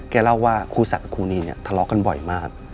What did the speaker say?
เล่าว่าครูศักดิ์ครูนีเนี่ยทะเลาะกันบ่อยมาก